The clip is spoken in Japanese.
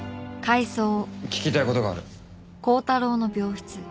聞きたい事がある。